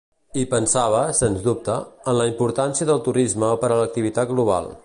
I pensava, sens dubte, en la importància del turisme per a l’activitat global.